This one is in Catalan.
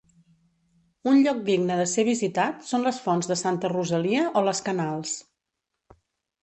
Un lloc digne de ser visitat són les Fonts de Santa Rosalia o les Canals.